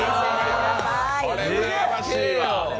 これ、うらやましいわ。